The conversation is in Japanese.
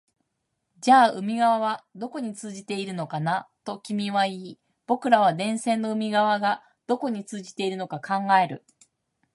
じゃあ海側はどこに通じているのかな、と君は言い、僕らは電線の海側がどこに通じているのか考える